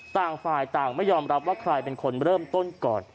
ต่างฝ่ายต่างไม่ยอมรับว่าใครเป็นคนเริ่มต้นก่อน